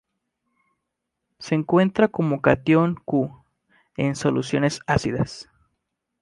Se encuentra como catión Cu en soluciones ácidas.